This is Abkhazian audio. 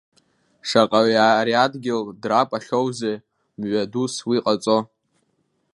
Шаҟаҩ ари адгьыл драпахьоузеи, мҩадус уи ҟаҵо…